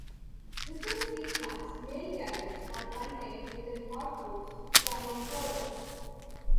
Within seed plants, male gametes are contained within hard coats, forming pollen.